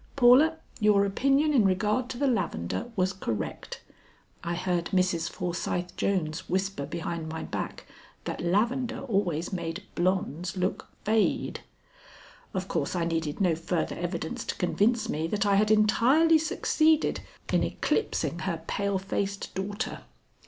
Paula, your opinion in regard to the lavendar was correct. I heard Mrs. Forsyth Jones whisper behind my back that lavendar always made blondes look fade. Of course I needed no further evidence to convince me that I had entirely succeeded in eclipsing her pale faced daughter.